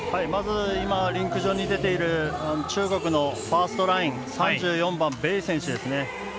まず、今リンク上に出ている中国のファーストライン３４番の選手ですね。